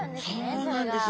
そうなんです。